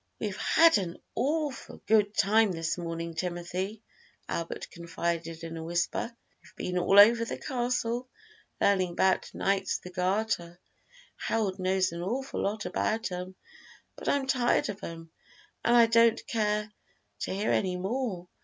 "We've had an awful good time this morning, Timothy," Albert confided in a whisper; "we've been all over the castle, learning 'bout Knights of the Garter. Harold knows an awful lot about 'em, but I'm tired of 'em, an' I don't care to hear any more.